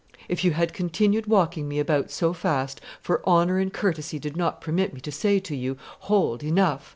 If you had continued walking me about so fast, for honor and courtesy did not permit me to say to you, "Hold! enough!"